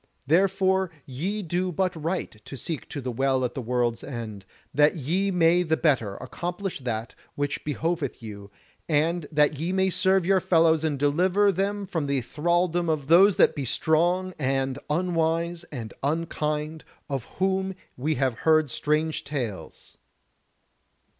Therefore ye do but right to seek to the Well at the World's End, that ye may the better accomplish that which behoveth you, and that ye may serve your fellows and deliver them from the thralldom of those that be strong and unwise and unkind, of whom we have heard strange tales."